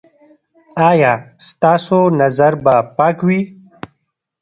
ایا ستاسو نظر به پاک وي؟